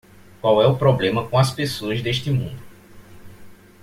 qual é o problema com as pessoas deste mundo